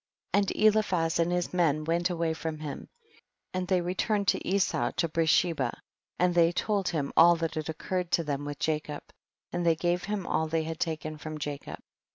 39. And Eliphaz and his men went away from him and they re turned to Esau to Beersheba, and they told him all that had occurred to them with Jacob, and they gave him all that they had taken from Jacob.